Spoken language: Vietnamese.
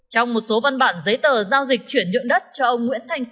trong một số văn bản giấy tờ giao dịch chuyển nhượng đất cho ông nguyễn thanh